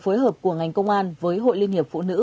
phối hợp của ngành công an với hội liên hiệp phụ nữ